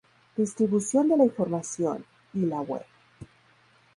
Distribución de la información... y la web.